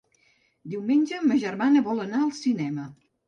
Diumenge ma germana vol anar al cinema.